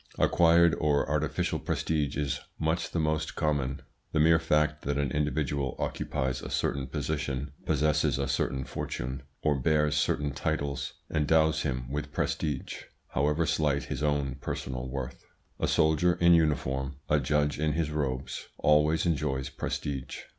Acquired or artificial prestige is much the most common. The mere fact that an individual occupies a certain position, possesses a certain fortune, or bears certain titles, endows him with prestige, however slight his own personal worth. A soldier in uniform, a judge in his robes, always enjoys prestige.